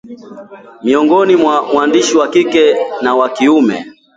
miongoni mwa waandishi wa kike na wa kiume